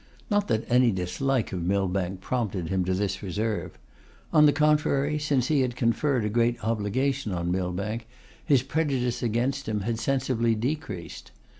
Not that any dislike of Millbank prompted him to this reserve. On the contrary, since he had conferred a great obligation on Millbank, his prejudice against him had sensibly decreased.